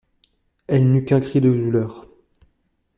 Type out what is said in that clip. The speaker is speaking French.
Elle n’eut qu’un cri de douleur.